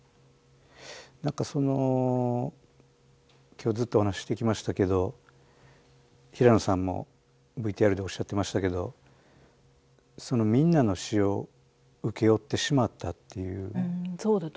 何かその今日ずっとお話ししてきましたけど平野さんもＶＴＲでおっしゃってましたけどみんなの死を請け負ってしまったっていうね。